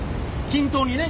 均等にね？